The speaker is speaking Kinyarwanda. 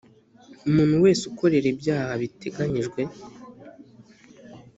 Umuntu wese ukorera ibyaha biteganyijwe